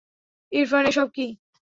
ইরফান, এসব কী?